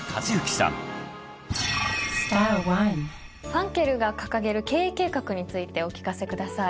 ファンケルが掲げる経営計画についてお聞かせください。